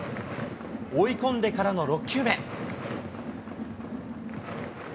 追い込んでからの６球目。